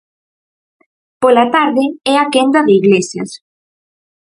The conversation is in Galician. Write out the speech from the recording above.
Polo tarde é a quenda de Iglesias.